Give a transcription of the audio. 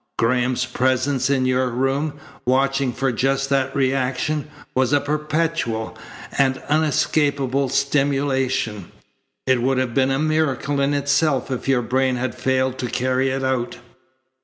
Graham's presence in your room, watching for just that reaction, was a perpetual, an unescapable stimulation. It would have been a miracle in itself if your brain had failed to carry it out."